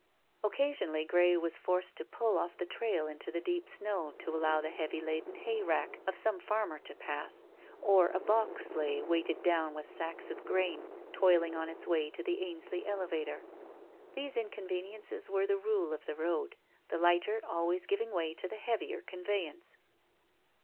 Occasionally Grey was forced to pull off the trail into the deep snow to allow the heavy laden hay rack of some farmer to pass, or a box sleigh, weighted down with sacks of grain, toiling on its way to the Ainsley elevator. These inconveniences were the rule of the road, the lighter always giving way to the heavier conveyance.